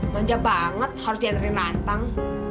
manja banget harus dianterin rantang